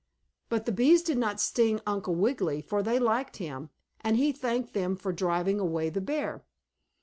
But the bees did not sting Uncle Wiggily, for they liked him, and he thanked them for driving away the bear.